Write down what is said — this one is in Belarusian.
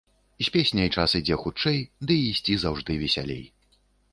З песняй час ідзе хутчэй ды і ісці заўжды весялей.